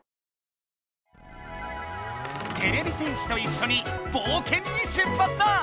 てれび戦士といっしょに冒険に出発だ！